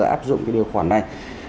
áp dụng cái điều khoản này